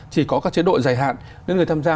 chỉ có các chế độ dài hạn nên người tham gia